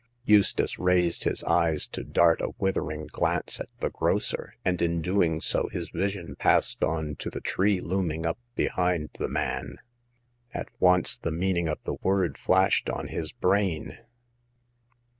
Eustace raised his eyes to dart a withering glance at the grocer, and in doing so his vision passed on to the tree looming up behind the man. At once the meaning of the word flashed on his brain.